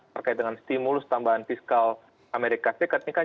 terkait dengan stimulus tambahan fiskal amerika serikat ini kan